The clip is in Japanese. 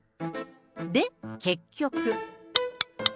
で、結局。